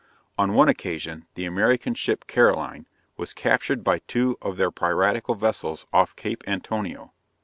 On one occasion, the American ship Caroline, was captured by two of their piratical vessels off Cape Antonio.